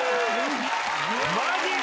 マジか！